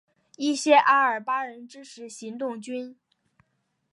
一些阿尔巴尼亚人支持行动军。